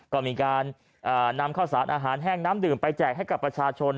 ก็มีการนำข้าวสารอาหารแห้งน้ำดื่มไปแจกให้กับประชาชน